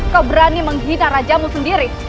kau berani menghina rajamu sendiri